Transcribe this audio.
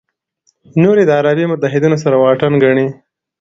نور یې د عربي متحدینو سره واټن ګڼي.